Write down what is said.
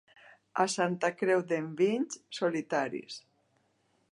A Santa Creu d'Enviny, solitaris.